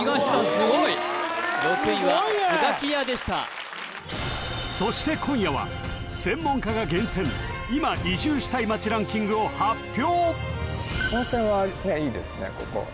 すごい６位はスガキヤでしたすごいねそして今夜は専門家が厳選「いま移住したい町」ランキングを発表